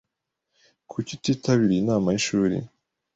Kuki utitabiriye inama y'ishuri?